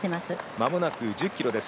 まもなく１０ｋｍです。